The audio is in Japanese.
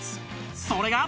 それが